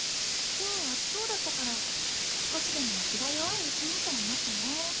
今日暑そうだったから少しでも日が弱いうちにと思ってね。